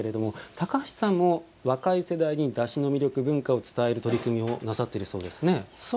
高橋さんも若い世代にだしの魅力、文化を伝える取り組みをなさっているそうですね。